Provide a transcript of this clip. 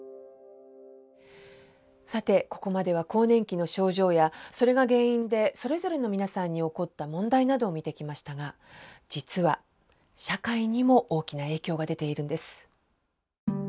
さてここまでは更年期の症状やそれが原因でそれぞれの皆さんに起こった問題などを見てきましたが実は社会にも大きな影響が出ているんです。